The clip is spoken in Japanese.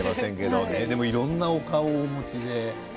いろんなお顔をお持ちで。